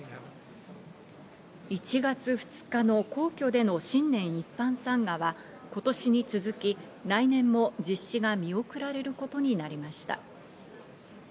１月２日の皇居での新年一般参賀は今年に続き来年も実施が見送られることになりました。